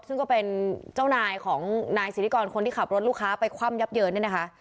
ซึ่งก็เป็นเจ้านายของนายสิทธิกรคนที่ขับรถลูกค้าไปคว่ำยับเยินเนี่ยนะคะ